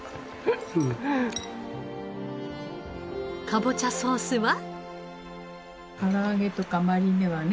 かぼちゃソースは？